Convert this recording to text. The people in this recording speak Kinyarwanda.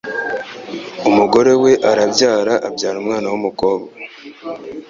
Umugore we arabyara abyara umwana w'umukobwa